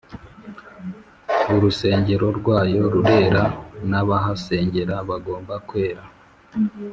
urusengero rwayo rurera nabahasengera bagomba kwera